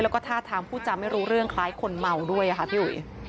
แล้วก็ท่าทางผู้จำไม่รู้เรื่องคล้ายคนเมาด้วยค่ะพี่อุ๋ย